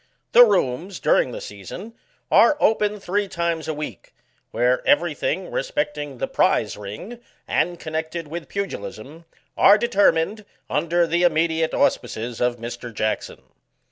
The rooms, during the season, are open three times a week, where every thing respecting the prize ring, and connected with pugilism, are determined, under the immediate auspices of Mr. Jackson.